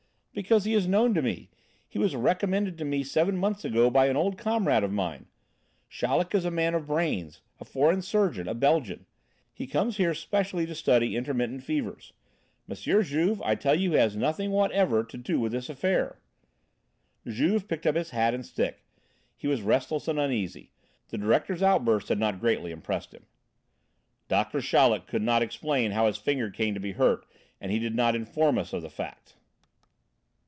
"Because he is known to me. He was recommended to me seven months ago by an old comrade of mine. Chaleck is a man of brains, a foreign physician, a Belgian. He comes here specially to study intermittent fevers. M. Juve, I tell you he has nothing whatever to do with this affair." Juve picked up his hat and stick. He was restless and uneasy; the directors' outburst had not greatly impressed him. "Doctor Chaleck could not explain how his finger came to be hurt and he did not inform us of the fact."